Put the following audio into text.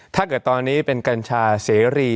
ถ้าเกิดตอนนี้เป็นกัญชาเสรี